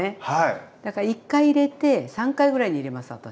１回入れて３回ぐらいに入れます私。